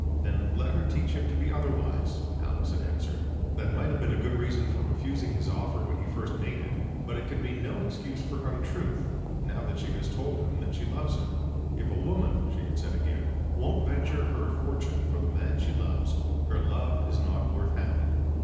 "Then let her teach him to be otherwise," Alice had answered. "That might have been a good reason for refusing his offer when he first made it; but it can be no excuse for untruth, now that she has told him that she loves him!" "If a woman," she had said again, "won't venture her fortune for the man she loves, her love is not worth having."